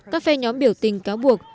các phe nhóm biểu tình cáo buộc